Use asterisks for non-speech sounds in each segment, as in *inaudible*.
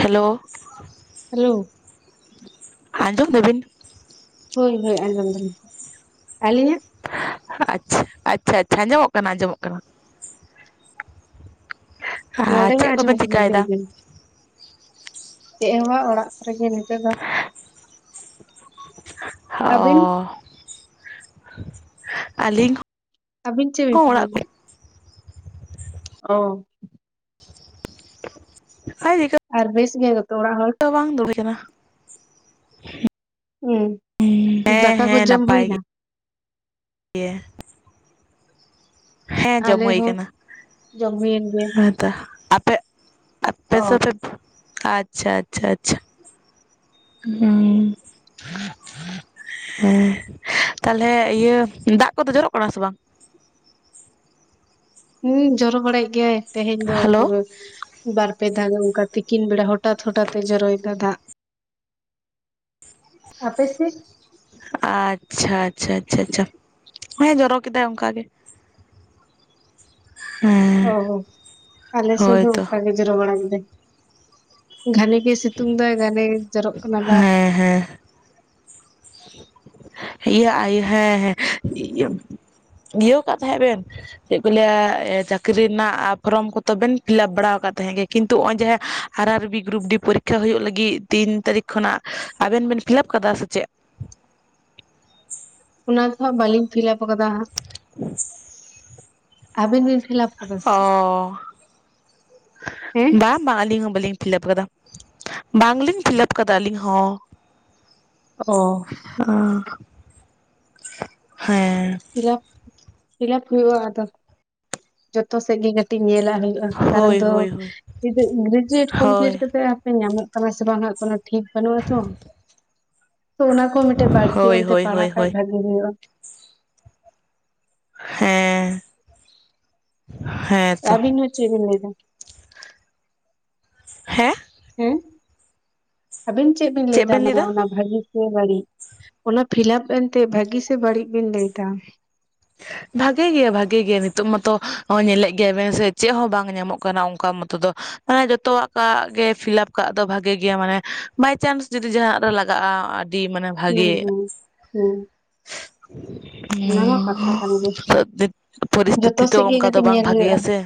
Hello. Hello. ᱟᱸᱡᱚᱢ ᱫᱟᱵᱤᱱ? ᱦᱳᱭ ᱦᱳᱭ ᱟᱸᱡᱚᱢ ᱫᱟᱞᱤᱧ, ᱟᱹᱞᱤᱧᱟᱜ? ᱟᱪᱪᱷᱟ ᱟᱪᱪᱷᱟ ᱟᱪᱪᱷᱟ ᱟᱸᱡᱚᱢᱚᱜ ᱠᱟᱱᱟ ᱟᱸᱡᱚᱢᱚᱜ ᱠᱟᱱᱟ᱾ ᱟᱨ ᱱᱚᱰᱮ ᱪᱮᱫ ᱱᱟᱜ ᱠᱚᱵᱮᱱ ᱟᱸᱡᱚᱢᱚᱜ ᱠᱟᱱᱟ ᱞᱟᱹᱭ ᱪᱤᱠᱟᱭᱮᱫᱟ ᱵᱤᱱ ᱾ ᱪᱮᱫ ᱦᱚᱸ ᱵᱟᱝ ᱚᱲᱟᱜ ᱠᱚᱨᱮ ᱜᱮ ᱱᱤᱛᱚᱜ ᱫᱚ ᱾ *inaudible* ᱟᱹᱵᱤᱱ ᱚᱸᱻ ᱟᱹᱞᱤᱧ ᱟᱵᱤᱱ ᱪᱮᱫ ᱵᱤᱱ ᱦᱚᱸ ᱚᱲᱟᱜ ᱪᱤᱠᱟᱹᱭ ᱫᱟ? ᱠᱚ ᱚᱸ ᱟᱨ ᱱᱤᱛᱚᱜ ᱟᱨ ᱵᱮᱥ ᱜᱮ ᱡᱚᱛᱚ ᱚᱲᱟᱜ ᱦᱚᱲ? ᱵᱟᱝ ᱫᱩᱲᱩᱵ ᱦᱩᱭ ᱠᱟᱱᱟ᱾ ᱦᱩᱸ, ᱫᱟᱠᱟ ᱠᱚ ᱡᱚᱢ ᱦᱩᱭᱱᱟ? ᱮᱭᱮ ᱦᱮᱸ, ᱡᱚᱢ ᱟᱞᱮ ᱦᱩᱭ ᱦᱚᱸ ᱠᱟᱱᱟ ᱡᱚᱢ ᱦᱩᱭᱮᱱ ᱜᱮᱭᱟ ᱦᱮᱸᱛᱚ ᱟᱯᱮ ᱟᱯᱮ ᱚ ᱫᱚ ᱯᱮ ᱯᱷᱩ ᱟᱪᱪᱷᱟ ᱟᱪᱪᱷᱟ ᱟᱪᱪᱷᱟ ᱦᱩᱸ ᱦᱮᱸ, ᱛᱟᱞᱦᱮ ᱤᱭᱟᱹ ᱫᱟᱜ ᱠᱚᱫᱚ ᱡᱚᱨᱚᱜ ᱠᱟᱱᱟ ᱥᱮ ᱵᱟᱝ? ᱦᱩᱸ, ᱡᱚᱨᱚ ᱵᱟᱲᱟᱭᱮᱫ ᱜᱮᱭᱟᱭ ᱛᱮᱦᱮᱧ ᱫᱚ ᱦᱮᱞᱳ ᱯᱩᱨᱟᱹ ᱵᱟᱨ ᱯᱮ ᱫᱷᱟᱣ ᱚᱱᱠᱟ ᱛᱤᱠᱤᱱ ᱵᱮᱲᱟ ᱦᱚᱴᱟᱛ ᱦᱚᱴᱟᱛᱮ ᱡᱚᱨᱚᱭ ᱫᱟ ᱫᱟᱜ ᱾ ᱟᱯᱮ ᱥᱮᱫ *inaudible* ᱟᱪᱪᱷᱟ ᱟᱪᱪᱷᱟ ᱟᱪᱪᱷᱟ ᱟᱪᱪᱷᱟ ᱦᱮᱸ ᱡᱚᱨᱚ ᱠᱮᱫᱟᱭ ᱚᱱᱠᱟ ᱜᱮ᱾ ᱦᱮᱸ ᱚᱦᱚ, ᱟᱞᱮ ᱥᱮᱱ ᱦᱚ ᱦᱳᱭᱛᱚ ᱚᱱᱠᱟ ᱜᱮ ᱡᱚᱨᱚ ᱵᱟᱲᱟ ᱠᱮᱫᱟᱭ, ᱜᱷᱟᱱᱮ ᱜᱮ ᱥᱤᱛᱩᱝ ᱫᱟᱭ ᱜᱷᱟᱱᱮ ᱜᱮ ᱡᱚᱨᱚᱜ ᱠᱟᱱᱟ ᱫᱟᱜ ᱾ ᱦᱮᱸ ᱦᱮᱸ ᱾ ᱤᱭᱟᱹ ᱟᱭ ᱦᱮᱸ ᱦᱮᱸ ᱤᱭᱟᱹ ᱤᱭᱟᱹ ᱠᱟᱜ ᱛᱟᱦᱮᱸᱫ ᱵᱮᱱ ᱪᱮᱫ ᱠᱚ ᱞᱟᱹᱭᱟ ᱪᱟᱹᱠᱨᱤ ᱨᱮᱱᱟᱜ ᱯᱷᱚᱨᱚᱢ ᱠᱚ ᱛᱚᱵᱮᱱ ᱯᱷᱤᱞᱟᱯ ᱵᱟᱲᱟ ᱟᱠᱟᱫ ᱛᱟᱦᱮᱸᱜ ᱜᱮ ᱠᱤᱱᱛᱩ ᱚᱜ-ᱚᱭ ᱡᱮ ᱟᱨ ᱟᱨ ᱵᱤ ᱜᱩᱨᱩᱯ ᱰᱤ ᱯᱚᱨᱤᱠᱠᱷᱟ ᱦᱩᱭᱩᱜ ᱞᱟᱹᱜᱤᱫ ᱛᱤᱱ ᱛᱟᱹᱨᱤᱠᱷ ᱠᱷᱚᱱᱟᱜ ᱟᱵᱮᱱ ᱵᱮᱱ ᱯᱷᱤᱞᱟᱯ ᱠᱟᱫᱟ ᱥᱮ ᱪᱮᱫ? ᱚᱱᱟ ᱫᱚᱦᱟᱸᱜ ᱵᱟᱹᱞᱤᱧ ᱯᱷᱤᱞᱟᱯ ᱠᱟᱫᱟ ᱦᱟᱸᱜ *inaudible* ᱟᱹᱵᱤᱱ ᱵᱤᱱ ᱯᱷᱤᱞᱟᱯ ᱟᱠᱟᱫᱟ ᱥᱮ ᱚᱻ ᱦᱮᱸ ᱵᱟᱝ ᱵᱟᱝ ᱟᱞᱤᱧ ᱦᱚᱸ ᱵᱟᱹᱞᱤᱧ ᱯᱷᱤᱞᱟᱹᱯ ᱟᱠᱟᱫᱟ, ᱵᱟᱝᱞᱤᱧ ᱯᱷᱤᱞᱟᱹᱯ ᱠᱟᱫᱟ ᱟᱹᱞᱤᱧ ᱦᱚᱸ ᱾ ᱚ ᱾ ᱟᱸ ᱦᱮᱸ᱾ ᱯᱷᱤᱞᱟᱯ, ᱯᱷᱤᱞᱟᱯ ᱦᱩᱭᱩᱜᱼᱟ ᱟᱫᱚ ᱡᱚᱛᱚ ᱥᱮᱜ ᱜᱮ ᱠᱟ ᱛᱤᱧ ᱧᱮᱞᱟᱜ ᱦᱩᱭᱩᱜᱼᱟ ᱠᱟᱨᱚᱱ ᱦᱳᱭ ᱫᱚ ᱦᱳᱭ ᱦᱳᱭ ᱜᱨᱮᱡᱩᱭᱮᱴ ᱦᱳᱭ ᱠᱚᱢᱯᱞᱤᱴ ᱠᱟᱛᱮ ᱦᱟᱯᱮ ᱧᱟᱢᱚᱜ ᱠᱟᱱᱟᱭ ᱥᱮ ᱵᱟᱝ ᱦᱸᱟᱜ ᱠᱚᱱᱚ ᱴᱷᱤᱠ ᱵᱟᱹᱱᱩᱜᱼᱟ ᱟᱱᱟ ᱛᱚ, ᱛᱚ ᱚᱱᱟ ᱠᱚ ᱢᱤᱫᱴᱮᱡ ᱵᱟᱲᱛᱤ ᱦᱳᱭ ᱚᱱᱛᱮ ᱦᱳᱭ ᱦᱳᱭ ᱯᱟᱲᱦᱟᱜ ᱠᱷᱟᱡ ᱦᱳᱭ ᱵᱷᱟᱜᱤ ᱦᱩᱭᱩᱜᱼᱟ᱾ ᱦᱮᱸᱻ ᱟᱵᱤᱱ ᱦᱚᱸ ᱪᱮᱜ ᱵᱤᱱ ᱞᱟᱹᱭᱫᱟ? ᱦᱮᱸ? ᱦᱮᱸ ᱟᱵᱤᱱ ᱪᱮᱜ ᱵᱤᱱ ᱪᱮᱫ ᱞᱟᱹᱭᱫᱟ ᱵᱮᱱ ᱢᱟᱱᱮ ᱚᱱᱟ ᱵᱷᱟᱜᱤ ᱥᱮ ᱵᱟᱲᱤᱡ, ᱚᱱᱟ ᱯᱷᱤᱞᱟᱯ ᱮᱱᱛᱮ ᱵᱷᱟᱜᱤ ᱥᱮ ᱵᱟᱹᱲᱤᱡ ᱵᱤᱱ ᱞᱟᱹᱭ ᱫᱟ ᱾ ᱵᱷᱟᱜᱮ ᱜᱮᱭᱟ ᱵᱷᱟᱜᱮ ᱜᱮᱭᱟ ᱱᱤᱛᱚᱜ ᱢᱟᱛᱚ ᱦᱚᱸᱜᱼᱚᱭ ᱧᱮᱞᱮᱫ ᱜᱮᱭᱟ ᱵᱮᱱ ᱥᱮ ᱪᱮᱜ ᱦᱚᱸ ᱵᱟᱝ ᱧᱟᱢᱚᱜ ᱠᱟᱱᱟ ᱚᱱᱠᱟ ᱢᱚᱛᱚ ᱫᱚ ᱢᱟᱱᱮ ᱡᱚᱛᱚᱣᱟᱜ ᱠᱟᱜ ᱜᱮ ᱯᱷᱤᱞᱟᱯ ᱠᱟᱜ ᱫᱚ ᱵᱷᱟᱜᱮ ᱜᱮᱭᱟ ᱢᱟᱱᱮ ᱵᱟᱭᱪᱟᱱᱥ ᱡᱩᱫᱤ ᱡᱟᱦᱟᱱᱟᱜ ᱨᱮ ᱞᱟᱜᱟᱜᱼᱟ ᱫᱤ ᱢᱟᱱᱮᱢ ᱦᱮᱸ ᱦᱩᱸ ᱦᱩᱸ ᱚᱱᱟ ᱢᱟ ᱠᱟᱛᱷᱟ ᱠᱟᱱ ᱜᱮ *unintelligible* ᱡᱚᱛᱚ ᱯᱚᱨᱤᱥᱛᱤᱛᱷᱤ ᱛᱚ ᱥᱮᱫ ᱜᱮ ᱚᱱᱠᱟ ᱫᱚ ᱠᱟᱹᱴᱤᱡ ᱵᱟᱝ ᱧᱮᱞ ᱦᱩᱭᱩᱜᱼᱟ ᱵᱷᱟᱜᱮᱭᱟ ᱥᱮ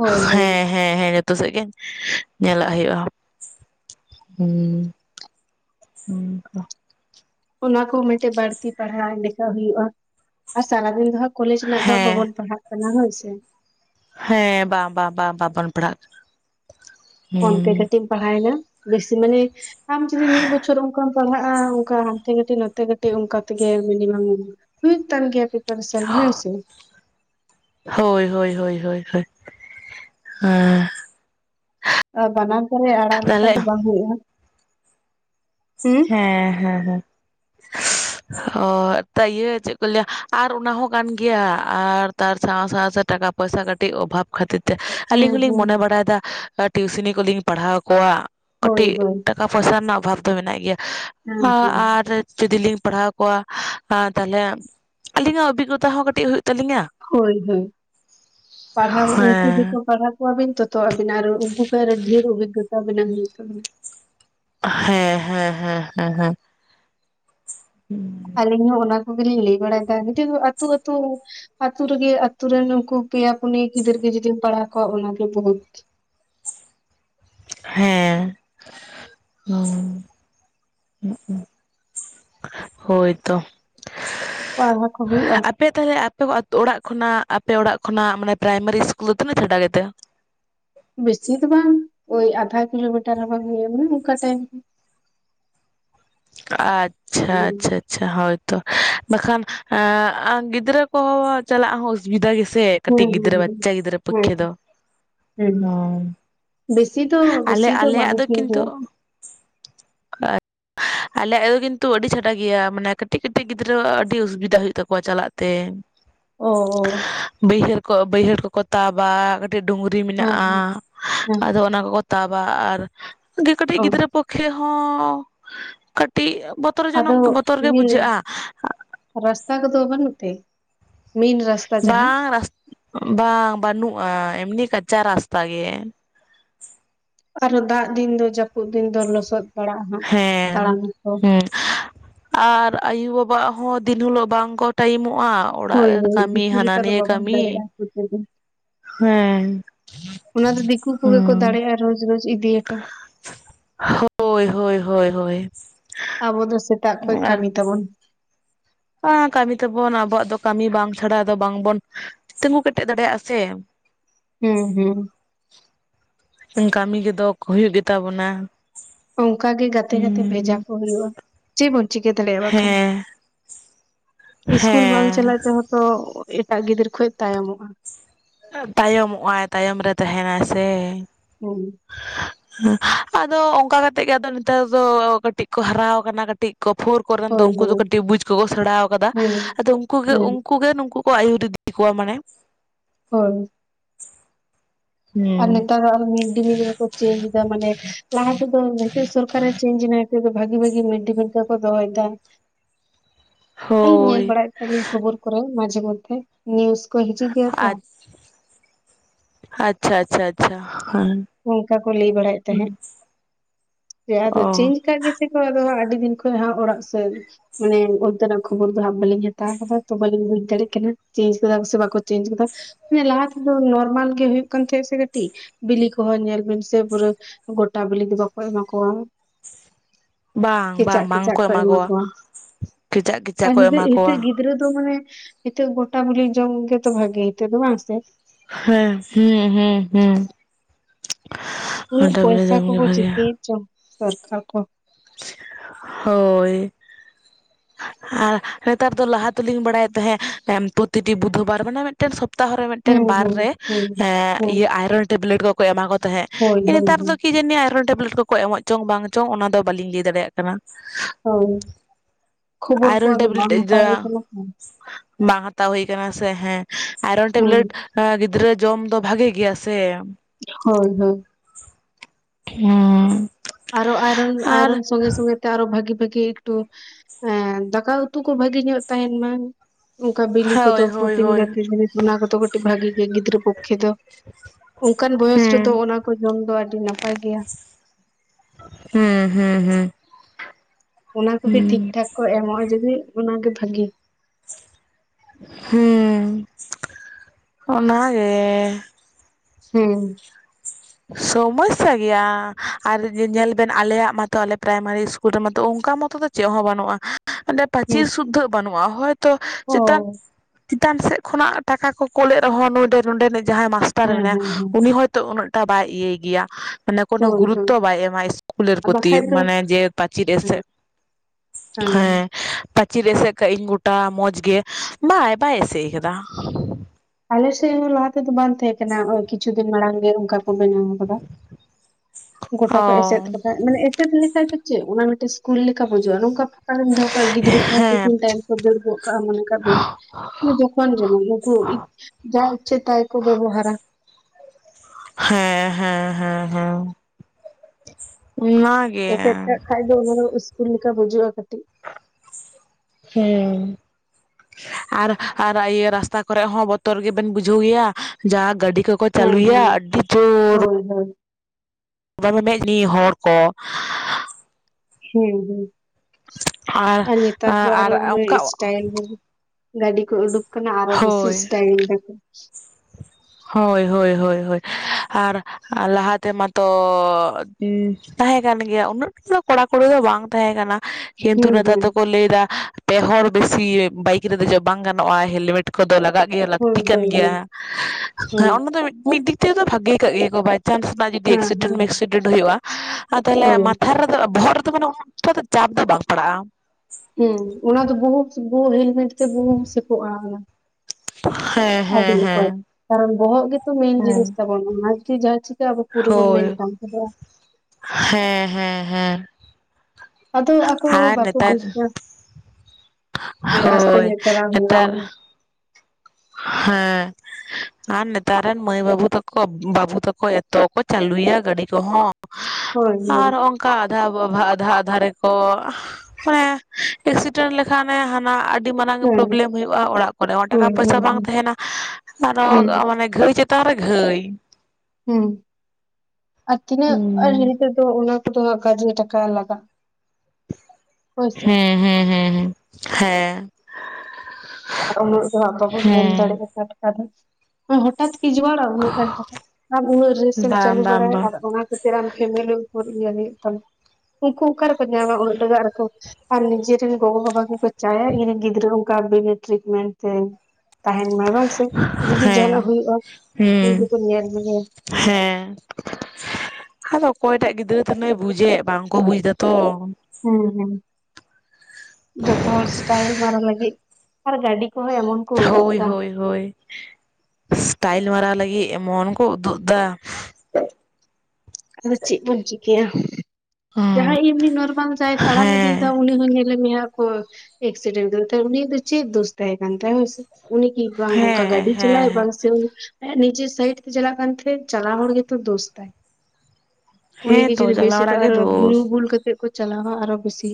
ᱦᱳᱭ ᱦᱳᱭ ᱦᱮᱸ ᱦᱮᱸ ᱦᱮᱸ ᱡᱚᱛᱚ ᱥᱮᱜ ᱜᱮ ᱧᱮᱞᱟᱜ ᱦᱩᱭᱩᱜᱼᱟ ᱦᱩᱸ ᱾ ᱱᱸᱠᱟ ᱚᱱᱟ ᱠᱚ ᱢᱤᱫᱴᱮᱡ ᱵᱟᱲᱛᱤ ᱯᱟᱲᱦᱟᱣ ᱞᱮᱠᱟ ᱦᱩᱭᱩᱜᱼᱟ ᱟᱨ ᱥᱟᱨᱟᱫᱤᱱ ᱫᱚ ᱦᱟᱸᱜ ᱠᱚᱞᱮᱡᱽ ᱨᱮᱱᱟᱜ ᱫᱚ ᱦᱮᱸ ᱵᱟᱵᱚᱱ ᱯᱟᱲᱦᱟᱜ ᱠᱟᱱᱟ ᱦᱳᱭ ᱥᱮ᱾ ᱦᱮᱸ ᱵᱟᱝ ᱵᱟᱝ ᱵᱟᱝ ᱵᱟᱵᱚᱱ ᱯᱟᱲᱦᱟᱜ ᱠᱟᱱᱟ᱾ ᱚᱱᱛᱮ ᱠᱟᱹᱴᱤᱡ ᱯᱟᱲᱦᱟᱭᱱᱟ ᱵᱮᱥᱤ ᱢᱟᱱᱮ ᱟᱢ ᱡᱩᱫᱤ ᱢᱤᱫ ᱵᱚᱪᱷᱚᱨ ᱚᱝᱠᱟᱢ ᱯᱟᱲᱦᱟᱜᱼᱟ ᱚᱝᱠᱟ ᱦᱟᱱᱛᱮ ᱠᱟᱹᱴᱤᱡ ᱱᱚᱛᱮ ᱠᱟᱹᱴᱤᱡ ᱚᱝᱠᱟ ᱛᱮᱜᱮ ᱢᱤᱱᱤᱢᱟᱢ ᱦᱩᱭᱩᱜ ᱛᱟᱱ ᱜᱮᱭᱟ ᱯᱤᱯᱟᱨᱮᱥᱮᱱ ᱦᱮᱸ ᱥᱮ᱾ ᱦᱳᱭ ᱦᱳᱭ ᱦᱳᱭ ᱦᱳᱭ ᱦᱳᱭ, ᱦᱮᱸ᱾ ᱟᱨ ᱵᱟᱱᱟᱨ ᱠᱚᱨᱮ ᱟᱲᱟᱜ ᱞᱮᱠᱷᱟᱡ ᱛᱟᱦᱞᱮ ᱫᱚ ᱵᱟᱝ ᱦᱩᱭᱩᱜᱼᱟ᱾ ᱦᱩᱸ, ᱦᱮᱸ ᱦᱮᱸ ᱦᱮᱸ᱾ ᱚᱻ ᱛᱟᱭ ᱤᱭᱟᱹ ᱪᱮᱫ ᱠᱚ ᱞᱟᱹᱭᱟ ᱟᱨ ᱚᱱᱟ ᱦᱚᱸ ᱠᱟᱱ ᱜᱮᱭᱟ ᱟᱨ ᱛᱟᱨ ᱥᱟᱶ ᱥᱟᱶᱛᱮ ᱴᱟᱠᱟ ᱯᱚᱭᱥᱟ ᱠᱟᱴᱤᱜ ᱚᱵᱷᱟᱵᱷ ᱠᱷᱟᱛᱤᱨ ᱛᱮ, ᱟᱞᱤᱧ ᱦᱩᱸ ᱦᱚᱸᱞᱤᱧ ᱦᱩᱸ ᱢᱚᱱᱮ ᱵᱟᱲᱟᱭᱫᱟ ᱟ ᱴᱤᱭᱩᱥᱤᱱᱤ ᱠᱚᱞᱤᱧ ᱯᱟᱲᱦᱟᱣ ᱠᱚᱣᱟ᱾ ᱦᱳᱭ ᱠᱟᱹᱴᱤᱡ ᱦᱳᱭ ᱴᱟᱠᱟ ᱯᱚᱭᱥᱟ ᱨᱮᱱᱟᱜ ᱚᱵᱷᱟᱵᱽ ᱫᱚ ᱢᱮᱱᱟᱜ ᱜᱮᱭᱟ, ᱦᱩᱸ ᱦᱟ ᱦᱩᱸ ᱟᱨ ᱡᱩᱫᱤ ᱞᱤᱧ ᱯᱟᱲᱦᱟᱣ ᱠᱚᱣᱟ ᱟ ᱛᱟᱦᱞᱮ ᱟᱞᱤᱧᱟᱜ ᱚᱵᱷᱤᱜᱽᱜᱚᱛᱟ ᱦᱚᱸ ᱠᱟᱴᱤᱡ ᱦᱩᱭᱩᱜ ᱛᱟᱞᱤᱧᱟ᱾ ᱦᱳᱭ ᱦᱳᱭ, ᱯᱟᱲᱦᱟᱣ ᱩᱱᱠᱩ ᱡᱚᱛᱚ ᱦᱮᱸ *unintelligible* ᱠᱚᱣᱟᱵᱤᱱ ᱛᱚ ᱛᱚ ᱟᱵᱤᱱ ᱟᱨ ᱩᱱᱠᱩ ᱠᱷᱚᱡ ᱟᱨᱚ ᱰᱷᱤᱨ ᱚᱵᱤᱜᱜᱚᱛᱟ ᱵᱮᱱᱟᱣ ᱦᱩᱭᱩᱜ ᱛᱟᱵᱤᱱᱟ᱾ ᱦᱮᱸ ᱦᱮᱸ ᱦᱮᱸ ᱦᱮᱸ ᱦᱮᱸ᱾ ᱦᱩᱸ᱾ ᱟᱞᱤᱧ ᱦᱚᱸ ᱚᱱᱟ ᱠᱚᱜᱮᱞᱤᱧ ᱞᱟᱹᱭ ᱵᱟᱲᱟᱭᱫᱟ ᱱᱤᱛᱚᱜ ᱫᱚ ᱟᱛᱩ ᱟᱛᱩ ᱟᱛᱳ ᱨᱮᱜᱮ ᱟᱛᱩ ᱨᱮᱱ ᱩᱱᱠᱩ ᱯᱮᱭᱟ ᱯᱩᱱᱤᱭᱟᱹ ᱜᱤᱫᱟᱹᱨ ᱜᱮ ᱡᱩᱫᱤᱢ ᱯᱟᱲᱦᱟᱣ ᱠᱚᱣᱟ ᱚᱱᱟᱜᱮ ᱵᱩᱦᱩᱛ᱾ ᱦᱮᱸ, ᱦᱩᱸ, ᱦᱩᱸᱜᱼᱩᱸ᱾ ᱦᱳᱭ ᱛᱚ᱾ ᱯᱟᱲᱦᱟ ᱠᱚ ᱦᱩᱭᱩᱜᱼᱟ᱾ ᱟᱯᱮ ᱛᱟᱦᱞᱮ ᱟᱯᱮ ᱟᱛᱩ, ᱚᱲᱟᱜ ᱠᱷᱚᱱᱟᱜ ᱟᱯᱮ ᱚᱲᱟᱜ ᱠᱷᱚᱱᱟᱜ ᱢᱟᱱᱮ ᱯᱨᱟᱭᱢᱟᱨᱤ ᱤᱥᱠᱩᱞ ᱛᱤᱱᱟᱹᱜ ᱪᱷᱟᱰᱟ ᱜᱮᱛᱮ? ᱵᱮᱥᱤ ᱫᱚ ᱵᱟᱝ ᱳᱭ ᱟᱫᱷᱟ, ᱠᱤᱞᱳᱢᱤᱴᱟᱨ ᱦᱚᱸ ᱵᱟᱝ ᱦᱩᱭᱩᱜ ᱢᱟᱱᱮ ᱚᱝᱠᱟ ᱴᱟᱭᱤᱢ ᱛᱮ᱾ ᱟᱪᱪᱷᱟ ᱦᱩᱸ ᱟᱪ ᱪᱷᱟ, ᱦᱚᱭᱛᱚ ᱵᱟᱠᱷᱟᱱ ᱮᱸᱻ ᱜᱤᱫᱽᱨᱟᱹ ᱠᱚᱦᱚᱸ ᱪᱟᱞᱟᱜ ᱦᱚᱸ ᱚᱥᱵᱤᱫᱟ ᱜᱮᱥᱮ ᱠᱟᱹᱴᱤᱡ ᱦᱩᱸ ᱦᱩᱸ ᱜᱤᱫᱽᱨᱟᱹ ᱦᱩᱸ ᱵᱟᱪᱪᱟ ᱜᱤᱫᱽᱨᱟᱹ ᱯᱚᱠᱠᱷᱮ ᱦᱮᱸ ᱫᱚ᱾ ᱦᱮᱸ ᱦᱚᱸ, ᱵᱮᱥᱤ ᱫᱚ ᱟᱞᱮ ᱵᱮᱥᱤ ᱵᱟᱝ ᱟᱞᱮᱭᱟᱜ ᱫᱚ ᱡᱷᱟᱹᱞ ᱠᱤᱱᱛᱩ ᱜᱮᱭᱟ ᱟᱞᱮᱭᱟᱜ ᱫᱚ ᱠᱤᱱᱛᱩ ᱟᱹᱰᱤ ᱪᱷᱟᱰᱟ ᱜᱮᱭᱟ, ᱢᱟᱱᱮ ᱠᱟᱹᱴᱤᱡ ᱠᱟᱹᱴᱤᱡ ᱜᱤᱫᱽᱨᱟᱹ ᱟᱰᱤ ᱚᱥᱩᱵᱤᱫᱟ ᱦᱩᱭᱩᱜ ᱛᱟᱠᱚᱣᱟ ᱪᱟᱞᱟᱜ ᱛᱮ᱾ *unintelligible* ᱚ *inaudible* ᱵᱟᱹᱭᱦᱟᱹᱲ ᱠᱚ ᱵᱟᱹᱭᱦᱟᱹᱲ ᱠᱚᱠᱚ ᱛᱟᱵᱟ ᱠᱟᱹ ᱴᱤᱡ ᱰᱩᱝᱨᱤ ᱦᱮᱸ ᱢᱮᱱᱟᱜᱼᱟ, ᱦᱮᱸ ᱦᱮᱸ ᱟᱫᱚ ᱚᱱᱟ ᱠᱚᱠᱚ ᱛᱟᱵᱟ ᱟᱨ ᱠᱟᱹᱴᱤᱡ ᱚ ᱜᱤᱫᱽᱨᱟᱹ ᱯᱚᱠ ᱠᱷᱮ ᱦᱚᱸ ᱠᱟᱹᱴᱤᱡ ᱵᱚᱛᱚᱨ ᱡᱚᱱᱚᱠ ᱟᱫᱚ ᱵᱚᱛᱚᱨ ᱜᱮ ᱤᱭᱟᱹ ᱵᱩᱡᱷᱟᱹᱜᱼᱟ᱾ ᱨᱟᱥᱛᱟ ᱠᱚᱫᱚ ᱵᱟᱹᱱᱩᱜ ᱛᱮ? ᱢᱮᱱ ᱨᱟᱥᱛᱟ ᱡᱟᱦᱟᱸ ᱵᱟᱝ ᱨᱟᱥ ᱵᱟᱝ ᱵᱟᱹᱱᱩᱜᱼᱟ, ᱮᱢᱱᱤ ᱠᱟᱪᱟ ᱨᱟᱥᱛᱟ ᱜᱮ᱾ ᱟᱨᱦᱚᱸ ᱫᱟᱜ ᱫᱤᱱ ᱫᱚ ᱡᱟᱯᱩᱫ ᱫᱤᱱ ᱫᱚ ᱞᱚᱥᱚᱫ᱾ ᱯᱟᱲᱟᱜᱼᱟ ᱦᱟᱸᱜ ᱦᱮᱸ, ᱛᱟᱲᱟᱢ ᱠᱚ ᱦᱩᱸ, ᱟᱨ ᱟᱭᱩ ᱵᱟᱵᱟᱜ ᱦᱚᱸ ᱫᱤᱱ ᱦᱤᱞᱳᱜ ᱵᱟᱝ ᱠᱚ ᱴᱟᱭᱤᱢᱚᱜᱼᱟ, ᱚᱲᱟᱜ ᱦᱳᱭ ᱨᱮ ᱦᱳᱭ ᱠᱟᱹᱢᱤ ᱫᱤᱠᱩ ᱦᱟᱱᱟ ᱞᱮᱠᱟ ᱫᱚ ᱱᱤᱭᱟᱹ ᱵᱟᱵᱚᱱ ᱠᱟᱹᱢᱤ᱾ ᱫᱟᱲᱮᱭᱟᱜᱼᱟ ᱯᱨᱚᱛᱮᱠ ᱫᱤᱱ ᱦᱮᱸ, *inaudible* ᱦᱩᱸ᱾ ᱨᱳᱡᱽ ᱨᱳᱡᱽ ᱤᱫᱤ ᱦᱚᱴᱚ᱾ ᱦᱳᱭ ᱦᱳᱭ ᱦᱳᱭ ᱦᱳᱭ᱾ ᱟᱵᱚ ᱫᱚ ᱥᱮᱛᱟᱜ ᱠᱷᱚᱡ ᱠᱟᱹᱢᱤ ᱛᱟᱵᱚᱱ᱾ ᱦᱟᱸ ᱠᱟᱹᱢᱤ ᱛᱟᱵᱚᱱ ᱟᱵᱚᱣᱟᱜ ᱫᱚ ᱠᱟᱹᱢᱤ ᱵᱟᱝ ᱪᱷᱟᱰᱟ ᱫᱚ ᱵᱟᱝᱵᱚᱱ ᱛᱤᱸᱜᱩ ᱠᱮᱴᱮᱡ ᱫᱟᱲᱮᱭᱟᱜᱼᱟ ᱥᱮᱢ᱾ ᱦᱩᱸ ᱦᱩᱸ᱾ ᱠᱟᱹᱢᱤ ᱜᱮᱫᱚ ᱦᱩᱭᱩᱜ ᱜᱮ ᱛᱟᱵᱚᱱᱟ᱾ ᱚᱝᱠᱟ ᱜᱮ ᱜᱟᱛᱮ ᱜᱟᱛᱮ ᱵᱷᱮᱡᱟ ᱠᱚ ᱦᱩᱭᱩᱜᱼᱟ, ᱪᱮᱫ ᱵᱚᱱ ᱪᱤᱠᱟᱹ ᱫᱟᱲᱮᱭᱟᱜ ᱵᱟᱠᱷᱟᱱ᱾ ᱦᱮᱸ ᱤᱥᱠᱩᱞ ᱵᱟᱝ ᱦᱮᱸ ᱪᱟᱞᱟᱜ ᱛᱮᱦᱚᱸ ᱛᱚ ᱮᱴᱟᱜ ᱜᱤᱫᱟᱹᱨ ᱠᱷᱚᱡ ᱛᱟᱭᱚᱢᱚᱜᱼᱟ᱾ ᱛᱟᱭᱚᱢᱚᱜ ᱟᱭ ᱛᱟᱭᱚᱢ ᱨᱮ ᱛᱟᱦᱮᱸᱱᱟᱭ ᱥᱮ᱾ ᱦᱩᱸ᱾ *inaudible* ᱦᱮᱸ ᱟᱫᱚ ᱚᱝᱠᱟ ᱠᱟᱛᱮ ᱜᱮ ᱟᱫᱚ ᱱᱮᱛᱟᱨ ᱫᱚ ᱠᱟᱹᱴᱤᱡ ᱠᱚ ᱦᱟᱨᱟᱣ ᱠᱟᱱᱟ ᱠᱟᱹᱴᱤᱡ᱾ ᱠᱚ ᱯᱷᱳᱨ ᱠᱚᱨᱮᱱ ᱫᱚ ᱦᱳᱭ ᱩᱱᱠᱩ ᱫᱚ ᱦᱳᱭ ᱠᱟᱹᱴᱤᱡ ᱵᱩᱡ ᱠᱚᱠᱚ ᱥᱮᱬᱟᱣ ᱠᱟᱫᱟ, ᱦᱩᱸ ᱟᱫᱚ ᱩᱱᱠᱩ ᱜᱮ ᱦᱩᱸ ᱩᱱᱠᱩ ᱜᱮ ᱱᱩᱠᱩ ᱠᱚ ᱟᱹᱭᱩᱨ ᱤᱫᱤ ᱠᱚᱣᱟ ᱢᱟᱱᱮ ᱦᱚᱭ ᱟᱨ ᱦᱩᱸ ᱱᱮᱛᱟᱨ ᱦᱚᱸ ᱟᱨᱚ ᱢᱤᱰ-ᱰᱮ ᱢᱤᱞ ᱠᱚ ᱠᱚ ᱪᱮᱧᱡ ᱮᱫᱟ ᱢᱟᱱᱮ ᱞᱟᱦᱟ ᱛᱮᱫᱚ ᱱᱤᱛᱚᱜ ᱥᱚᱨᱠᱟᱨᱮ ᱪᱮᱪᱧᱡ ᱮᱱᱟ ᱱᱤᱛᱚᱜ ᱫᱚ ᱵᱷᱟᱜᱤ ᱵᱷᱟᱜᱤ ᱢᱤᱰᱤᱢᱤᱞ ᱠᱚᱠᱚ ᱫᱚᱦᱚᱭᱫᱟ᱾ ᱦᱚᱭ ᱧᱮᱞ ᱦᱳᱭ ᱵᱟᱲᱟ ᱭᱮᱫ ᱛᱟᱦᱮᱱ ᱞᱤᱧ ᱠᱷᱚᱵᱚᱨ ᱠᱚᱨᱮ ᱢᱟᱡᱷᱮ ᱢᱚᱫᱽᱫᱷᱮ᱾ ᱱᱤᱭᱩᱡ ᱠᱚ ᱦᱤᱡᱩᱜ ᱜᱮᱭᱟ ᱛᱚ ᱟᱪ ᱟᱪᱪᱷᱟ ᱟᱪᱪᱷᱟ ᱟᱪᱪᱷᱟ ᱦᱮᱸ᱾ ᱦᱳᱭ ᱚᱱᱠᱟ ᱠᱚ ᱞᱟᱹᱭ ᱵᱟᱲᱟᱭᱮᱫ ᱦᱩᱸ᱾ ᱛᱟᱦᱮᱸᱫ, ᱡᱮ ᱟᱫᱚ ᱚ ᱪᱮᱡ ᱪᱟᱜ ᱜᱮᱥᱮ ᱠᱚ ᱟᱫᱚ ᱦᱟᱸᱜ ᱟᱹᱰᱤ ᱫᱤᱱ ᱠᱷᱚᱡ ᱦᱟᱸᱜ ᱚᱲᱟᱜ ᱥᱮᱫ ᱢᱟᱱᱮ ᱚᱱᱛᱮᱱᱟᱜ ᱠᱷᱚᱵᱚᱨ ᱫᱚ ᱦᱟᱸᱜ ᱵᱟᱹᱞᱤᱧ ᱦᱟᱛᱟᱣ ᱟᱠᱟᱫᱟ ᱛᱚ ᱵᱟᱹᱞᱤᱧ ᱵᱩᱡ ᱫᱟᱲᱮᱭᱟᱜ ᱠᱟᱱᱟ ᱪᱮᱧᱡ ᱠᱟᱫᱟ ᱥᱮ ᱵᱟᱠᱚ ᱪᱮᱧᱡ ᱟᱠᱟᱫᱟ᱾ ᱦᱮᱸ ᱞᱟᱦᱟ ᱛᱮᱫᱚ ᱱᱚᱨᱢᱟᱞ ᱜᱮ ᱦᱩᱭᱩᱜ ᱠᱟᱱ ᱛᱟᱦᱮᱸ ᱥᱮ ᱠᱟᱹᱴᱤᱡ ᱵᱤᱞᱤ ᱠᱚᱦᱚᱸ ᱧᱮᱞ ᱵᱤᱱ ᱥᱮ ᱯᱩᱨᱟᱹ ᱜᱚᱴᱟ ᱵᱤᱞᱤ ᱫᱚ ᱵᱟᱠᱚ ᱮᱢᱟ ᱠᱚᱣᱟ᱾ ᱵᱟᱝ ᱵᱟᱝ ᱠᱮᱪᱟᱜ ᱠᱮᱪᱟᱜ ᱵᱟᱝᱠᱚ ᱠᱚ ᱮᱢᱟ ᱠᱚᱣᱟ ᱠᱮᱪᱟᱜ ᱟᱨ ᱠᱮᱪᱟᱜ ᱠᱚ ᱧᱤᱫᱟᱹ ᱮᱢᱟ ᱱᱤᱛᱟᱜ ᱠᱚᱣᱟ ᱜᱮ ᱜᱤᱫᱽᱨᱟᱹ ᱫᱚ ᱢᱟᱱᱮ ᱱᱤᱛᱟᱜ ᱜᱚᱴᱟ ᱵᱤᱞᱤ ᱡᱚᱢ ᱜᱮ ᱛᱚ ᱵᱷᱟᱜᱮ ᱱᱤᱛᱳᱜ ᱫᱚ ᱵᱟᱝ ᱥᱮ᱾ ᱦᱮᱸ ᱦᱩᱸ ᱦᱩᱸ ᱦᱩᱸ ᱜᱚᱴᱟ ᱵᱮᱹᱞᱮᱹ ᱡᱚᱢ ᱜᱮ ᱵᱷᱟᱜᱮᱭᱟ᱾ ᱛᱚ ᱥᱚᱨᱠᱟᱨ ᱠᱚ, ᱦᱳᱭ ᱟᱨ ᱱᱮᱛᱟᱨ ᱫᱚ ᱞᱟᱦᱟ ᱛᱮᱞᱤᱧ ᱵᱟᱲᱟᱭᱮᱫ ᱛᱟᱦᱮᱸᱫ ᱯᱨᱚᱛᱤᱴᱤ ᱵᱩᱫᱷ ᱵᱟᱨ ᱢᱟᱱᱮ ᱢᱤᱫᱴᱮᱱ ᱥᱚᱯᱛᱟᱦᱚ ᱨᱮ ᱢᱤᱫᱴᱮᱱ ᱦᱩᱸ ᱵᱟᱨ ᱦᱩᱸ ᱨᱮ ᱦᱩᱸ ᱦᱩᱸ ᱤᱭᱟᱹ ᱟᱭᱨᱚᱱ ᱴᱮᱵᱞᱮᱴ ᱠᱚ ᱮᱢᱟ ᱠᱚ ᱛᱟᱦᱮᱸᱫ᱾ ᱦᱳᱭ ᱦᱳᱭ ᱱᱮᱛᱟᱨ ᱫᱚ ᱦᱳᱭ ᱠᱤ ᱡᱟᱹᱱᱤ ᱟᱭᱨᱚᱱ ᱴᱮᱵᱞᱮᱴ ᱠᱚᱠᱚ ᱮᱢᱚᱜ ᱪᱚᱝ ᱵᱟᱝ ᱪᱚᱝ ᱚᱱᱟ ᱫᱚ ᱵᱟᱹᱞᱤᱧ ᱞᱟᱹᱭ ᱫᱟᱲᱮᱭᱟᱜ ᱠᱟᱱᱟ᱾ ᱦᱳᱭ ᱠᱷᱚᱵᱚᱨ ᱠᱚ ᱟᱭᱨᱚᱱ ᱟᱫᱚ ᱴᱮᱵᱞᱮᱴ ᱵᱟᱝ ᱦᱟᱛᱟᱣ ᱡᱟ ᱦᱩᱭ ᱠᱟᱱᱟ ᱛᱚ ᱵᱟᱝ ᱦᱟᱛᱟᱣ ᱦᱩᱭ ᱟᱠᱟᱱᱟ ᱥᱮ ᱦᱮᱸ ᱟᱭᱨᱚᱱ ᱦᱩᱸ ᱴᱮᱵᱞᱮᱴ ᱮᱸ ᱜᱤᱫᱽᱨᱟᱹ ᱡᱚᱢ ᱫᱚ ᱵᱷᱟᱜᱮ ᱜᱮᱭᱟ ᱥᱮ᱾ ᱦᱳᱭ ᱦᱳᱭ ᱦᱩᱸ ᱟᱨᱚ ᱟᱭᱨᱚᱱ ᱟᱨ ᱟᱭᱨᱚᱱ ᱥᱚᱝᱜᱮ ᱥᱚᱝᱜᱮ ᱛᱮ ᱟᱨᱚ ᱵᱷᱟᱜᱤ ᱵᱷᱟᱜᱤ ᱮᱠᱴᱩ ᱦᱮᱸ ᱫᱟᱠᱟ ᱩᱛᱩ ᱠᱚ ᱵᱷᱟᱹᱜᱤ ᱧᱚᱜ ᱛᱟᱦᱮᱸᱱ ᱢᱟ ᱚᱱᱠᱟ ᱵᱤᱞᱤ ᱠᱚᱫᱚ ᱦᱳᱭ ᱦᱳᱭ ᱯᱨᱳᱚᱴᱤᱱ ᱦᱳᱭ ᱡᱟᱛᱮ ᱡᱤᱱᱤᱥ ᱚᱱᱟ ᱠᱚᱫᱚ ᱠᱟᱹᱴᱤᱡ ᱵᱷᱟᱜᱤ ᱜᱮ ᱜᱤᱫᱽᱨᱟᱹ ᱯᱚᱠᱠᱷᱮ ᱫᱚ, ᱚᱱᱠᱟᱱ ᱵᱚᱭᱚᱥ ᱨᱮᱫᱚ ᱦᱩᱸ ᱚᱱᱟ ᱠᱚ ᱡᱚᱢ ᱫᱚ ᱟᱹᱰᱤ ᱱᱟᱯᱟᱭ ᱜᱮᱭᱟ, ᱦᱩᱸ ᱦᱩᱸ ᱦᱩᱸ ᱚᱱᱟ ᱠᱚᱜᱮ ᱴᱷᱤᱠ ᱦᱩᱸ ᱴᱷᱟᱠ ᱠᱚ ᱮᱢᱚᱜᱼᱟ ᱡᱩᱫᱤ ᱚᱱᱟ ᱜᱮ ᱵᱷᱟᱜᱤ, ᱦᱩᱸ ᱚᱱᱟᱜᱮ ᱦᱩᱸ ᱥᱚᱢᱚᱥᱥᱟ ᱜᱮᱭᱟ ᱟᱨ ᱧᱮᱞ ᱵᱮᱱ ᱟᱞᱮᱭᱟᱜ ᱢᱟᱛᱚ ᱟᱞᱮ ᱯᱨᱟᱭᱢᱟᱨᱤ ᱤᱥ ᱚᱱᱟ ᱢᱟᱛᱚ ᱚᱱᱠᱟ ᱢᱚᱛᱚ ᱫᱚ ᱪᱮᱫ ᱦᱚᱸ ᱵᱟᱹᱱᱩᱜᱼᱟ ᱱᱮᱛ ᱯᱟᱹᱪᱤᱨ ᱦᱮᱸ ᱥᱩᱫᱽᱫᱷᱟᱹᱜ ᱵᱟᱹᱱᱩᱜᱼᱟ ᱦᱳᱭᱛᱚ ᱚ ᱪᱮᱛᱟᱱ, ᱪᱮᱛᱟᱱ ᱥᱮᱫ ᱠᱷᱚᱱᱟᱜ ᱴᱟᱠᱟ ᱠᱚ ᱠᱳᱞᱮᱫ ᱨᱮᱦᱚᱸ ᱱᱩᱭ ᱫᱚ ᱱᱚᱰᱮᱱᱤᱡ ᱡᱟᱦᱟᱸᱭ ᱢᱟᱥᱴᱟᱨ ᱦᱮᱸ ᱢᱮᱱᱟᱭᱟ ᱦᱮᱸ ᱦᱮᱸ ᱩᱱᱤ ᱦᱚᱭ ᱛᱚ ᱩᱱᱟᱹᱜ ᱴᱟᱜ ᱵᱟᱭ ᱤᱭᱟᱹᱭ ᱜᱮᱭᱟ ᱢᱟᱱᱮ ᱩᱱᱳᱜ ᱦᱳᱭ ᱦᱳᱭ ᱜᱩᱨᱩᱛᱛᱚ ᱵᱟᱭ ᱮᱢᱟ ᱤᱥᱠᱩᱞᱮᱨ ᱯᱨᱚᱛᱤ ᱵᱟᱠᱷᱟᱡ ᱫᱚ ᱢᱟᱱᱮ ᱡᱮ ᱯᱟᱹᱪᱤᱨ ᱮᱥᱮᱫ ᱦᱮᱸ ᱦᱮᱸ ᱯᱟᱹᱪᱤᱨ ᱮᱥᱮᱫ ᱠᱟᱜ ᱤᱧ ᱜᱚᱴᱟ ᱢᱚᱡᱽ ᱜᱮ ᱵᱟᱭ ᱵᱟᱭ ᱮᱥᱮᱫ ᱠᱟᱫᱟ, ᱟᱞᱮ ᱥᱮᱫ ᱦᱚᱸ ᱞᱟᱦᱟ ᱛᱮᱫᱚ ᱵᱟᱝ ᱛᱟᱦᱮᱸ ᱠᱟᱱᱟ ᱱᱟᱜ-ᱚᱭ ᱠᱤᱪᱷᱩ ᱫᱤᱱ ᱢᱟᱲᱟᱝ ᱜᱮ ᱚᱱᱠᱟ᱾ ᱠᱚ ᱵᱮᱱᱟᱣ ᱟᱠᱟᱫᱟ ᱜᱚᱴᱟ ᱠᱚ ᱮᱥᱮᱫ ᱚ ᱠᱟᱫᱟ- ᱢᱟᱱᱮ ᱮᱥᱮᱫ ᱞᱮᱠᱟᱡ ᱫᱚ ᱪᱮᱫ ᱚᱱᱟ ᱢᱤᱴᱮᱡ ᱥᱠᱩᱞ ᱞᱮᱠᱟ ᱵᱩᱡᱩᱜᱼᱟ ᱱᱚᱝᱠᱟ ᱯᱷᱟᱠᱟ ᱨᱮᱢ ᱫᱚᱦᱚ ᱠᱚᱣᱟ ᱜᱤᱫᱽᱨᱟᱹ ᱠᱚᱦᱚᱸ ᱦᱮᱸ ᱴᱤᱯᱷᱤᱱ ᱴᱟᱭᱤᱢ *inaudible* ᱜᱚ ᱠᱟᱜ ᱢᱚᱱᱮ ᱠᱟᱜ ᱵᱤᱱ ᱡᱚᱠᱷᱚᱱ ᱡᱮᱢᱚᱱ ᱱᱩᱠᱩ ᱤᱛ ᱡᱟ ᱤᱪᱪᱷᱟᱹ ᱛᱟᱭ ᱠᱚ ᱵᱮᱵᱚᱦᱟᱨᱟ, ᱦᱮᱸ ᱦᱮᱸ ᱦᱮᱸ ᱦᱮᱸ, ᱚᱱᱟ ᱮᱥᱮᱫ ᱠᱟᱜ ᱠᱷᱟᱱ ᱫᱚ ᱚᱱᱟ ᱫᱚ ᱤᱥᱠᱩᱞ ᱞᱮᱠᱟ ᱵᱩᱡᱩᱜᱼᱟ ᱠᱟᱹᱴᱤᱡ, ᱦᱮᱸ᱾ ᱟᱨ ᱟᱨ ᱤᱭᱟᱹ ᱨᱟᱥᱛᱟ ᱠᱚᱨᱮ ᱦᱚᱸ ᱵᱚᱛᱚᱨ ᱜᱮᱵᱮᱱ ᱵᱩᱡᱷᱟᱹᱣ ᱜᱮᱭᱟ ᱡᱟᱦᱟᱸ ᱜᱟᱹᱰᱤ ᱠᱚ ᱠᱚ ᱦᱮᱸ ᱪᱟᱹᱞᱩᱭᱟ ᱦᱮᱸ ᱟᱹᱰᱤ ᱡᱳᱨ, ᱦᱳᱭ ᱦᱳᱭ ᱵᱟᱱᱮᱡᱱᱤᱭᱟᱹ ᱦᱚᱲ ᱠᱚ, ᱦᱮᱸ ᱦᱳᱭ ᱟᱨ ᱱᱮᱛᱟᱨ ᱫᱚ ᱟᱨ ᱟᱨᱚ ᱩᱱᱟᱹᱜ ᱚᱱᱠᱟ ᱥᱴᱟᱭᱤᱞ, ᱜᱟᱹᱰᱤ ᱠᱚ ᱩᱰᱩᱠ ᱠᱟᱱᱟ ᱟᱨᱚ ᱦᱳᱭ ᱵᱮᱥᱮᱥᱴᱟᱤᱞ ᱛᱟᱠᱚ ᱦᱳᱭ ᱦᱳᱭ ᱦᱳᱭ ᱦᱳᱭ ᱟᱨ, ᱟᱨ ᱞᱟᱦᱟᱛᱮ ᱢᱟᱛᱚ ᱛᱟᱦᱮᱸ ᱠᱟᱱ ᱜᱮᱭᱟ ᱩᱱᱟᱹᱜ ᱴᱟᱜ ᱫᱚ ᱠᱚᱲᱟᱠᱩᱲᱤ ᱫᱚ ᱵᱟᱝ ᱛᱟᱦᱮᱸ ᱠᱟᱱᱟ, ᱠᱤᱱᱛᱩ ᱦᱩᱸ ᱱᱮᱛᱟᱨ ᱦᱩᱸ ᱫᱚᱠᱚ ᱞᱟᱹᱭᱫᱟ ᱯᱮ ᱦᱚᱲ ᱵᱮᱥᱤ ᱵᱟᱭᱤᱠ ᱨᱮ ᱫᱮᱡᱚᱜ ᱵᱟᱝ ᱜᱟᱱᱚᱜᱼᱟ᱾ ᱦᱮᱞᱢᱮᱴ ᱠᱚᱫᱚ ᱞᱟᱜᱟᱜ ᱜᱮ ᱦᱳᱭ ᱞᱟᱹᱛᱤ ᱦᱳᱭ ᱠᱟᱱ ᱦᱳᱭ ᱜᱮᱭᱟ ᱦᱳᱭ ᱚᱱᱟ ᱫᱚ ᱢᱤᱴᱤᱡ, *unintelligible* ᱱᱮᱫ ᱫᱚ ᱵᱷᱟᱜᱮ ᱠᱟᱜ ᱜᱮᱭᱟ ᱵᱟᱭ ᱪᱟᱱᱥ ᱨᱮᱱᱟᱜ ᱡᱩᱫᱤ ᱦᱮᱸ ᱮᱠᱥᱤᱰᱮᱱᱴ ᱦᱮᱸ ᱢᱮᱮᱠᱥᱤᱰᱮᱱᱴ ᱦᱩᱭᱩᱜᱼᱟ ᱟ ᱛᱟᱦᱚᱞᱮ ᱦᱳᱭ ᱢᱟᱛᱷᱟ ᱨᱮᱫᱚ ᱵᱚᱦᱚᱜ ᱨᱮᱫᱚ ᱢᱟᱱᱮ ᱩᱱᱠᱟ ᱫᱚ ᱪᱟᱯ ᱫᱚ ᱵᱟᱝ ᱯᱟᱲᱟᱜᱼᱟ ᱾ ᱦᱮᱸ ᱚᱱᱟ ᱫᱚ ᱵᱩᱦᱩᱛ ᱵᱩ ᱦᱮᱞᱢᱮᱴ ᱛᱮ ᱵᱩᱦᱩᱢ ᱥᱮᱯᱚᱜᱼᱟ ᱚᱱᱟ, ᱦᱮᱸ ᱦᱮᱸ ᱟᱹᱰᱤ ᱦᱮᱸ ᱟᱭ ᱠᱟᱨᱚᱱ ᱵᱚᱦᱚᱜ ᱜᱮᱛᱚ ᱢᱮᱱ ᱦᱮᱸ ᱡᱤᱱᱤᱥ ᱛᱟᱵᱚ, ᱦᱳᱭ ᱚᱱᱟ ᱡᱩᱫᱤ ᱡᱟᱦᱟᱸ ᱪᱤᱠᱟᱜᱼᱟ ᱟᱱᱟ ᱯᱩᱨᱟ ᱦᱳᱭ ᱢᱮᱱᱛᱟᱢ ᱩᱱᱠᱩ ᱫᱚ, ᱦᱮᱸ ᱦᱮᱸ ᱦᱮᱸ ᱾ ᱟᱫᱚ ᱾ ᱟᱨ ᱱᱮᱛᱟᱨ, ᱟᱥᱛᱮ ᱦᱳᱭ ᱱᱚ ᱪᱟᱞᱟᱣ *unintelligible* ᱦᱩᱲᱟ ᱱᱮᱛᱟᱨ ᱦᱩᱞᱤ ᱦᱮᱸ, ᱟᱨ ᱱᱮᱛᱟᱨ ᱨᱮᱱ ᱢᱟᱹᱭ ᱵᱟᱹᱵᱩ ᱛᱟᱠᱚ ᱵᱟᱹᱵᱩ ᱛᱟᱠᱚ ᱮᱛᱚ ᱠᱚ ᱪᱟᱹᱞᱩᱭᱟ ᱜᱟᱹᱰᱤ ᱠᱚᱦᱚᱸ ᱦᱳᱭ ᱾ ᱦᱳᱭ ᱟᱨ ᱝᱠᱟ ᱟᱫᱷᱟ ᱵᱟ ᱟᱫᱷᱟ ᱟᱫᱷᱟ ᱨᱮᱠᱚ, ᱦᱮᱸ ᱮᱠᱥᱤᱰᱮᱱᱴ ᱞᱮᱠᱷᱟᱱ ᱮ ᱦᱟᱱᱟ ᱟᱹᱰᱤ ᱟᱹᱰᱤ ᱢᱟᱨᱟᱝ ᱦᱮᱸ ᱯᱨᱚᱵᱞᱮᱢ ᱦᱩᱭᱩᱜᱼᱟ ᱚᱲᱟᱜ ᱠᱚᱨᱮ ᱦᱚᱸ ᱴᱟᱠᱟ ᱦᱳᱭ ᱯᱚᱭᱥᱟ ᱦᱳᱭ ᱵᱟᱝ ᱛᱟᱦᱮᱱᱟ ᱟᱫᱚ ᱦᱮᱸ ᱚᱱᱮ ᱜᱷᱟᱹᱲᱤᱪ ᱛᱟᱨ ᱜᱟᱹᱭ, ᱦᱩᱸ ᱟᱨ ᱛᱤᱱᱟᱹᱜ ᱟᱨ ᱦᱩᱸ ᱱᱤᱛᱚᱜ ᱫᱚ ᱚᱱᱟ ᱠᱚᱫᱚ ᱜᱟᱭᱫᱮ ᱴᱟᱠᱟ ᱞᱟᱜᱟᱜᱼᱟ ᱾ ᱦᱮᱸ ᱦᱮᱸ ᱦᱮᱸ ᱦᱸ ᱦᱮᱸᱻ, ᱟᱫ ᱩᱱᱟᱹᱜ ᱫᱚ ᱦᱟᱸᱜ ᱵᱟᱵᱚᱱ ᱮᱢ ᱫᱟᱲᱮᱜ-ᱟ ᱯᱟᱸᱪ ᱯᱟᱫᱚᱱ ᱾ ᱦᱚᱴᱟᱛ ᱠ ᱡᱩᱣᱟᱲᱼᱟ ᱩᱱᱟᱹᱜ ᱜᱟᱱ ᱴᱟᱠᱟ ᱟᱢ ᱩᱱᱟᱹᱜ ᱨᱤᱥ ᱵᱟᱝ ᱪᱟᱹᱞᱩ ᱵᱟᱝ ᱵᱟᱲᱟᱭᱟ ᱵᱟᱝ ᱟᱨ ᱚᱱᱟ, ᱛᱮ ᱟᱢ ᱯᱷᱮᱢᱮᱞᱤ ᱩᱯᱚᱨ ᱧᱮᱧ ᱦᱚᱭᱚᱜ ᱛᱟᱢᱟ ᱾ ᱩᱱᱠᱩᱚᱠᱟᱨᱮ ᱠᱚ ᱧᱟᱢᱟ ᱩᱱᱟᱜᱴᱟᱠᱟ ᱟᱨ ᱱᱤᱡᱮᱨ ᱨᱮᱱ ᱜᱚᱜᱚ ᱵᱟᱵᱟ ᱜᱮᱠᱚ, ᱪᱟᱸᱭ ᱤᱧ ᱜᱤᱫᱽᱨᱟᱹ ᱚᱱᱠᱟ ᱵᱮᱢᱮᱴᱨᱤᱠ ᱢᱮᱱ ᱛᱮ, ᱛᱟᱦᱮᱱ ᱢᱟᱭ ᱵᱟᱝᱥᱮ ᱡᱩᱫᱤ ᱦᱮᱸ ᱡᱟᱦᱟᱱᱟᱜ ᱦᱩᱭᱩᱜᱼᱟ ᱩᱱᱤ ᱦᱩᱸ ᱫᱚᱠᱚ ᱧᱮᱞ ᱢᱮᱭᱟ ᱾ ᱦᱮᱸ ᱾ ᱟᱫᱚ ᱚᱠᱚᱭᱴᱟᱜ ᱜᱤᱫᱽᱨᱟᱹ ᱛᱟᱢᱮ ᱵᱩᱡᱮᱫ ᱵᱟᱝᱠᱚ ᱵᱩᱡ ᱮᱫᱟᱛᱚ, ᱦᱮᱸ ᱦᱮᱸ ᱡᱚᱛᱚᱦᱚᱲ ᱥᱴᱟᱭᱤᱞ ᱢᱟᱨᱟᱣ ᱞᱟᱹᱜᱤᱫ, ᱟᱨ ᱜᱟᱹᱰᱤ ᱠᱚᱦᱚᱸ ᱮᱢᱚᱱ ᱠᱚ ᱩᱰᱩᱠ ᱦᱳᱭ ᱫᱟ ᱾ ᱦᱳᱭ ᱦᱳᱭ ᱥᱴᱟᱭᱤᱞ ᱢᱟᱨᱟᱣ ᱞᱟᱹᱜᱤᱫ ᱮᱢᱚᱱ ᱠᱚ ᱩᱫᱩᱜ ᱮᱫᱟ, ᱟᱫᱚ ᱪᱮᱫ ᱵᱚᱱ ᱪᱤᱠᱟᱹᱭᱟ? ᱡᱟᱦᱟᱸᱭ ᱮᱢᱱᱤ ᱱᱚᱨᱢᱟᱞ ᱡᱟᱭ ᱛᱟᱲᱟᱢ ᱤᱫᱤᱭᱮᱫᱟ ᱦᱮᱸ ᱩᱱᱤ ᱦᱚᱸ ᱧᱮᱞᱮ ᱢᱮᱭᱟ ᱠᱚ, ᱮᱠᱥᱤᱰᱮᱱᱴ ᱫᱚ ᱩᱱᱤ ᱫᱚ ᱪᱮᱫ ᱫᱚᱥ ᱛᱟᱦᱮ ᱠᱟᱱ ᱛᱟᱭᱟ ᱦᱚᱭ ᱥᱮ, ᱩᱱᱤ ᱠᱤ ᱵᱟᱝ ᱚᱱᱠᱟ ᱦᱮᱸ ᱜᱟᱹᱰᱤ ᱦᱮᱸ ᱪᱟᱞᱟᱭᱮᱫ ᱵᱟᱝ ᱥᱮ ᱩᱱᱤ, ᱱᱤᱡᱮ ᱥᱟᱭᱤᱰ ᱛᱮ ᱪᱟᱞᱟ ᱠᱟᱱ ᱛᱮ ᱪᱟᱞᱟᱣ ᱦᱚᱲ ᱜᱮ ᱛᱚ ᱫᱳᱥᱫᱟᱭ ᱩᱱᱤ ᱦᱮᱸ ᱜᱮ ᱛᱚ ᱡᱩᱫᱤ ᱪᱟᱞᱟᱣ ᱵᱮᱥᱠᱚ ᱦᱚᱲᱟᱜ ᱜᱮ ᱟᱨᱚ ᱧᱩ ᱫᱳᱥ ᱵᱷᱩᱞ ᱠᱟᱛᱮ ᱠᱚ ᱪᱟᱞᱟᱣᱟ ᱟᱨᱚ ᱵᱮᱥᱤ,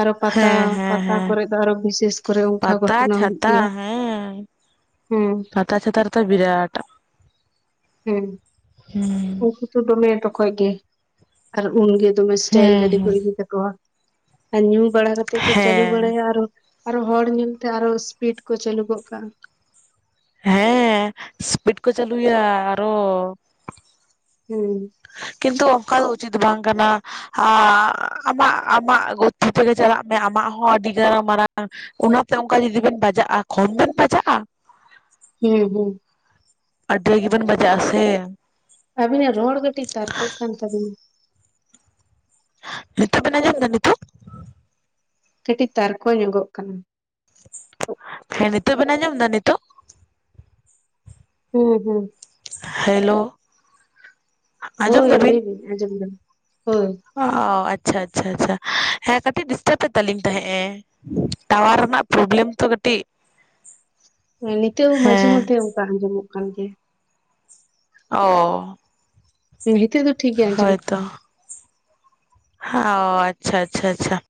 ᱟᱨᱚ ᱯᱟᱛᱟ ᱦᱮᱸ ᱦᱮᱸ ᱯᱟᱛᱟ ᱦᱮᱸ ᱠᱚᱨᱮ ᱫᱚ ᱟᱨᱚ ᱵᱤᱥᱮᱥ ᱠᱚᱨᱮ ᱚᱱᱠᱟ ᱯᱟᱛᱟ ᱜᱷᱚᱴᱚᱱᱟ ᱦᱩᱭᱩᱜ ᱪᱷᱟᱛᱟ ᱜᱮᱭᱟ ᱾ ᱟᱨᱯᱟᱛᱟᱪᱟᱸᱛᱟ ᱨᱮᱫᱚ ᱵᱤᱨᱟᱴᱟ, ᱦᱮᱸ᱾ ᱦᱮᱸ ᱾ ᱩᱱᱠᱩ ᱫᱚᱢᱮ ᱛᱚᱠᱚᱭ ᱜᱮ, ᱟᱨ ᱩᱱᱜᱮ ᱫᱚᱢᱮ ᱥᱴᱟᱭᱤᱞ ᱦᱮᱸ ᱜᱟᱹᱰᱤ ᱠᱚ ᱦᱮᱸ ᱤᱫᱤ ᱠᱟᱛᱮ ᱠᱚᱦᱟᱸ ᱟᱨ ᱧᱩ ᱵᱟᱲᱟ ᱠᱟᱛᱮ ᱠᱚ ᱪᱟᱹᱞᱩ ᱦᱮᱸ ᱵᱟᱲᱟᱭᱟ ᱾ ᱟᱨᱚ ᱟᱨᱚ ᱦᱚᱲ ᱧᱮᱞᱛᱮ, ᱟᱨᱚ ᱤᱥᱯᱤᱰ ᱠᱚ ᱪᱟᱹᱞᱩ ᱜᱚᱜ ᱠᱟᱜᱼᱟ ᱾ ᱦᱮᱸᱻ ᱤᱥᱯᱤᱰ ᱠᱚ ᱪᱟᱹᱞᱩᱭᱟ ᱟᱨᱚ ᱾ ᱦᱩᱸᱻ, ᱠᱤᱱᱛᱩ, ᱚᱱᱠᱟ ᱫᱚ ᱩᱪᱤᱛ ᱵᱟᱝ ᱠᱟᱱᱟ? ᱦᱼᱟᱸᱻ ᱟᱢᱟᱜ, ᱟᱢᱟᱜ ᱜᱚᱛᱤ ᱛᱮᱜᱮ ᱪᱟᱞᱟᱜ ᱢᱮ, ᱟᱢᱟᱜ ᱦᱚᱸ ᱟᱹᱰᱤᱜᱟᱝ ᱢᱟᱨᱟᱝ ᱚᱱᱟᱛᱮ ᱚᱱᱠᱟ ᱡᱩᱫᱤ ᱵᱮᱱ ᱵᱟᱡᱟᱜᱼᱟ, ᱠᱚᱢ ᱵᱮᱱ ᱵᱟᱡᱟᱜᱼᱟ ᱾ ᱦᱮᱸᱻᱦᱩᱸ, ᱟᱹᱰᱤ ᱨᱟᱜᱤ ᱵᱮᱱ ᱵᱟᱡᱟᱜᱼᱟ, ᱥᱮ, ᱟᱹᱵᱤᱱᱟᱜ ᱨᱚᱲ ᱠᱟᱹᱴᱤᱡ ᱛᱟᱨᱠᱚᱜ ᱠᱟᱱ ᱛᱟᱵᱤᱱᱟ ᱾ ᱱᱤᱛᱚᱜ ᱵᱮᱱ ᱟᱡᱚᱢ ᱮᱫᱟ ᱱᱤᱛᱚᱜ? ᱠᱟᱹᱴᱤᱡ ᱛᱟᱨᱠᱚ ᱧᱚᱜᱚᱜ ᱠᱟᱱᱟ ᱾ ᱦᱟ ᱦᱮᱸ, ᱱᱤᱛᱚᱜ ᱵᱮᱱ ᱟᱸᱡᱚᱢ ᱮᱫᱟ ᱱᱤᱛᱚᱜ? ᱦᱩᱸ ᱦᱩᱸ, ᱦᱟᱭᱼᱞᱳ, ᱦᱳᱭ ᱞᱟᱹᱭ ᱵᱮᱱ, ᱟᱡᱚᱢ ᱮᱫᱟᱞᱤᱧ, ᱦᱳᱭ ᱾ ᱚᱻ ᱟᱪᱪᱷᱟ ᱟᱪᱪᱷᱟ ᱟᱪᱪᱷᱟ, ᱦᱮᱸ ᱠᱟᱹᱴᱤᱡ ᱰᱤᱥᱴᱟᱵ ᱮᱫ ᱛᱟᱞᱤᱧ ᱛᱟᱦᱮᱸ ᱮ ᱾ ᱴᱟᱣᱟᱨ ᱨᱮᱱᱟᱜ ᱯᱨᱚᱵᱮᱞᱮᱢ ᱛᱚ ᱠᱟᱹᱴᱤᱡ, ᱦᱮᱸᱻ ᱱᱤᱛᱳᱜ ᱦᱚᱸ ᱢᱟᱡᱷᱮ ᱦᱮᱸ ᱢᱚᱫᱫᱷᱮ, ᱚᱲᱠᱟ ᱟᱸᱡᱚᱢᱚᱜ ᱠᱟᱱ ᱜᱮᱭᱟ ᱾ ᱳᱻ, ᱱᱤᱛᱚᱜ ᱫᱚ ᱴᱷᱤᱠ ᱜᱮ ᱟᱡᱚᱢᱚᱜ ᱠᱟᱱᱟ ᱾ ᱦᱟᱸᱼ ᱚᱻ ᱟᱪᱪᱷᱟ ᱟᱪᱪᱷᱟ ᱟᱪᱪᱷᱟ ᱾